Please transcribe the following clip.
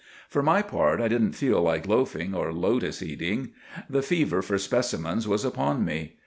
"For my own part I didn't feel like loafing or lotus eating. The fever for specimens was upon me.